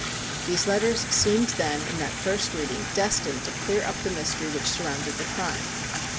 These letters seemed then in that first reading destined to clear up the mystery which surrounded the crime.